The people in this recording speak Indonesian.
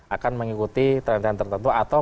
akan mengikuti trend trend tertentu atau